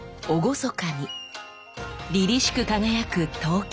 厳かにりりしく輝く刀剣。